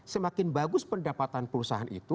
semakin bagus pendapatan perusahaan itu